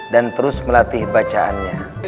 dan terus melatih bacaannya